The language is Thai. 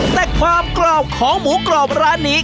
แต่ความกรอบของหมูกรอบร้านนี้